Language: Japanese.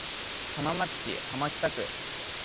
浜松市浜北区